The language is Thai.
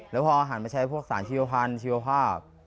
แล้วพอหากใช้ศาลชีวภาพ